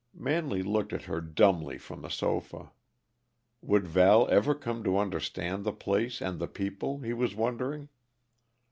Manley looked at her dumbly from the sofa. Would Val ever come to understand the place, and the people, he was wondering.